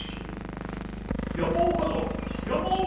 山岡殿！